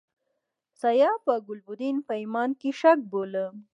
د سیاف او ګلبدین په ایمان کې شک بولم.